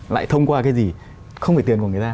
lại thông qua cái gì không phải tiền của người ta